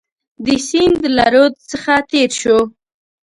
د سیند له رود څخه تېر شو.